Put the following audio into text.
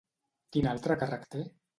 Quin altre càrrec té?